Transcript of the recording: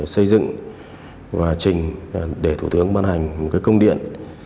xây dựng và trình để thủ tướng ban hành một công điện